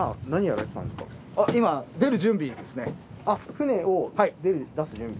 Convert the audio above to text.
船を出す準備？